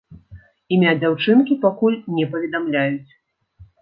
Імя дзяўчынкі пакуль не паведамляюць.